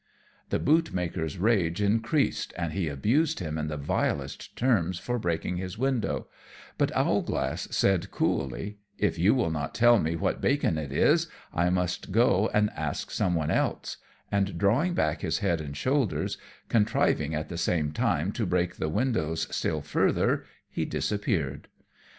The bootmaker's rage increased, and he abused him in the vilest terms for breaking his window; but Owlglass said coolly, "If you will not tell me what bacon it is, I must go and ask some one else;" and drawing back his head and shoulders, contriving at the same time to break the windows still further, he disappeared.